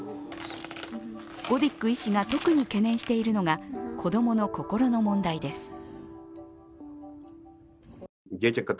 ゴディック医師が特に懸念しているのが子供の心の問題です。